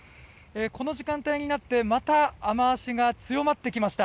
この時間帯になって、また雨脚が強まってきました。